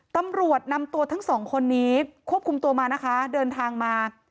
ตำรวจนำตัวทั้งสองคนนี้ควบคุมตัวมานะคะเดินทางมา